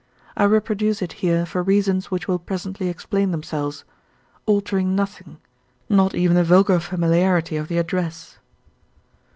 I reproduce it here for reasons which will presently explain themselves altering nothing, not even the vulgar familiarity of the address.